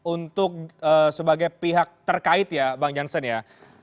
untuk sebagai pihak terkait ya bang janstrad